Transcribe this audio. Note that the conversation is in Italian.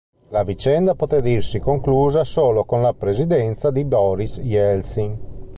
La vicenda poté dirsi conclusa solo con la presidenza di Boris Eltsin.